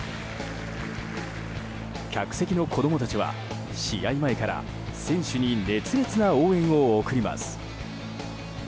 客席の子供たちは試合前から、選手に熱烈な応援を送ります。